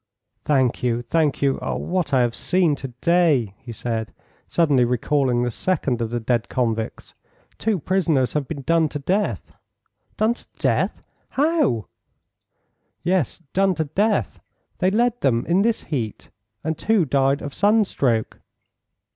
"Thank you, thank you. Oh! what I have seen to day!" he said, suddenly recalling the second of the dead convicts. "Two prisoners have been done to death." "Done to death? How?" "Yes, done to death. They led them in this heat, and two died of sunstroke."